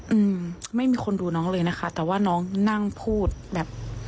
อืมไม่มีคนดูน้องเลยนะคะแต่ว่าน้องนั่งพูดแบบ